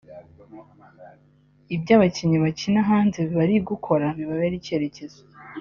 Ibyo abakinnyi bakina hanze bari gukora bibabere icyitegererezo